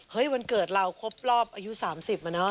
เฮ้ยวันเกิดเราครบรอบอายุ๓๐อ่ะนะ